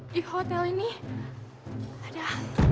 di hotel ini ada